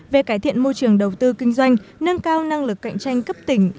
về cải thiện môi trường đầu tư kinh doanh nâng cao năng lực cạnh tranh cấp tỉnh